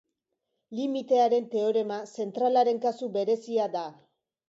Limitearen teorema zentralaren kasu berezia da.